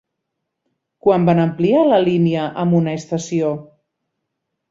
Quan van ampliar la línia amb una estació?